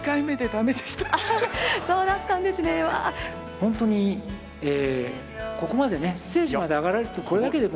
ほんとにここまでねステージまで上がられるってこれだけでも。